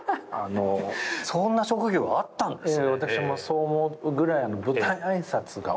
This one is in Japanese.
そんな職業あったんですね。